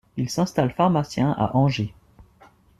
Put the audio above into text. Il s'installe pharmacien à Angers.